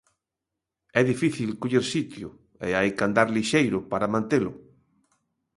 É difícil coller sitio, e hai que andar lixeiro para mantelo.